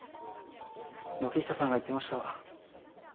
軒下さんが言ってました。